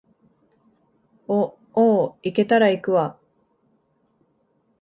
お、おう、行けたら行くわ